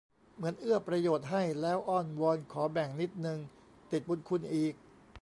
เหมือนเอื้อประโยชน์ให้ แล้วอ้อนวอนขอแบ่งนิดนึง ติดบุญคุณอีก